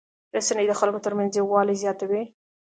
رسنۍ د خلکو ترمنځ یووالی زیاتوي.